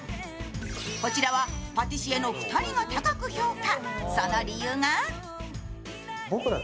こちらは、パティシエの２人が高く評価。